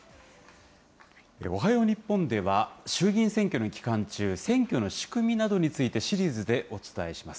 おはよう日本では、衆議院選挙の期間中、選挙の仕組みなどについてシリーズでお伝えします。